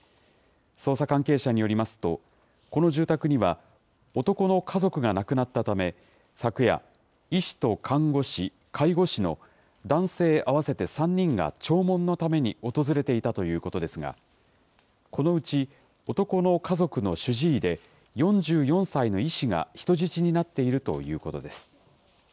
捜査関係者によりますと、この住宅には、男の家族が亡くなったため、昨夜、医師と看護師、介護士の、男性合わせて３人が弔問のために訪れていたということですが、このうち男の家族の主治医で、４４歳の医師が人質になっているということです。